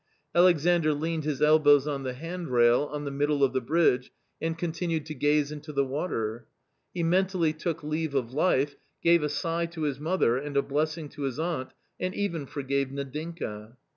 Alexandr leaned his elbows on the handrail on the middle of the bridge and continued to gaze into the water. He mentally took leave of life, gave a sigh to his mother, and a blessing to his aunt, and even forgave Nadinka.